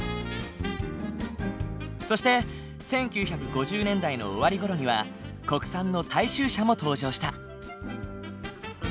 そして１９５０年代の終わりごろには国産の大衆車も登場した。